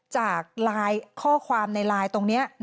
จากข้อความในลายตรงนี้